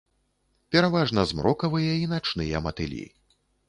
Пераважна змрокавыя і начныя матылі.